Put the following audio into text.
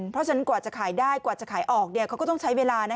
เพราะฉะนั้นกว่าจะขายได้กว่าจะขายออกเขาก็ต้องใช้เวลานะ